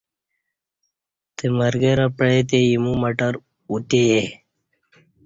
تمگرہ پیع تے ایمو مٹر اوتیے